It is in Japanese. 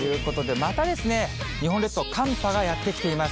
またですね、日本列島、寒波がやって来ています。